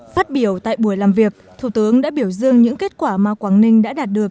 phát biểu tại buổi làm việc thủ tướng đã biểu dương những kết quả mà quảng ninh đã đạt được